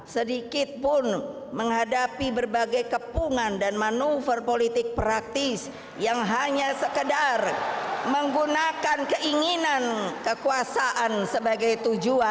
sumbermu yaitu rakyat rakyat rakyat